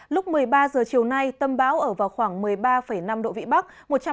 lúc một mươi ba h chiều nay tâm bão ở vào khoảng một mươi ba năm độ vĩ bắc